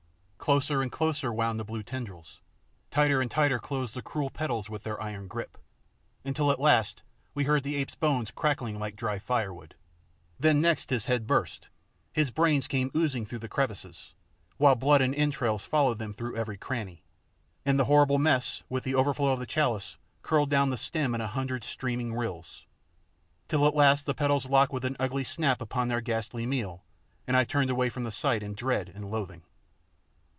Closer and closer wound the blue tendrils; tighter and tighter closed the cruel petals with their iron grip, until at last we heard the ape's bones crackling like dry firewood; then next his head burst, his brains came oozing through the crevices, while blood and entrails followed them through every cranny, and the horrible mess with the overflow of the chalice curled down the stem in a hundred steaming rills, till at last the petals locked with an ugly snap upon their ghastly meal, and I turned away from the sight in dread and loathing.